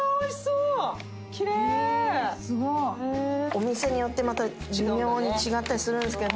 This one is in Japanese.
お店によってまた微妙に違ったりするんですけど。